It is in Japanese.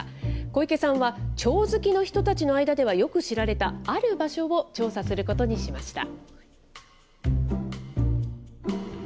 小池さんはチョウ好きの人たちの間ではよく知られたある場所を調査することにしました。